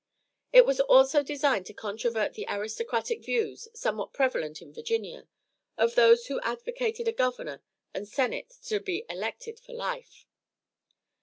It was also designed to controvert the aristocratic views, somewhat prevalent in Virginia, of those who advocated a governor and senate to be elected for life.